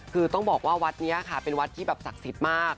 คือต้องบอกว่าวัดนี้ค่ะเป็นวัดที่แบบศักดิ์สิทธิ์มาก